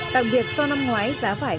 đặc biệt do năm ngoái giá vải